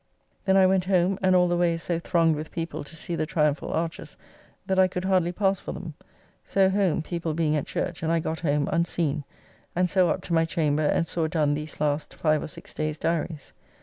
Then I went home, and all the way is so thronged with people to see the triumphal arches, that I could hardly pass for them. So home, people being at church, and I got home unseen, and so up to my chamber and saw done these last five or six days' diarys.